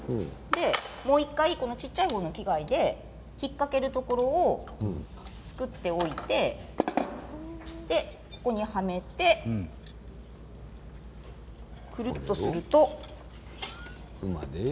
もう１回小さい方の機械で引っ掛けるところを作っておいてここにはめて、くるっとすると。